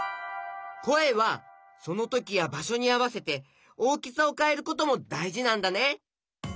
こえはそのときやばしょにあわせておおきさをかえることもだいじなんだね。